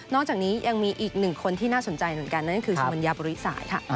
จากนี้ยังมีอีกหนึ่งคนที่น่าสนใจเหมือนกันนั่นก็คือสุมัญญาบริษาค่ะ